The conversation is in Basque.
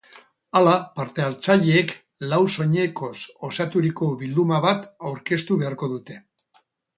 Hala, parte-hartzaileek lau soinekoz osaturiko bilduma bat aurkeztu beharko dute.